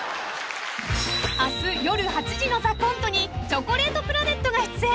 ［明日夜８時の『ＴＨＥＣＯＮＴＥ』にチョコレートプラネットが出演］